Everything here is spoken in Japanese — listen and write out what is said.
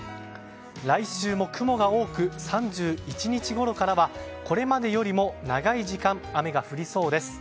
来週も雲が多く３１日ごろからはこれまでよりも長い時間雨が降りそうです。